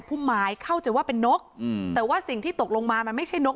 พุ่มไม้เข้าใจว่าเป็นนกอืมแต่ว่าสิ่งที่ตกลงมามันไม่ใช่นก